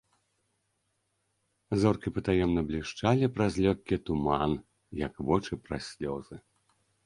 Зоркі патаемна блішчалі праз лёгкі туман, як вочы праз слёзы.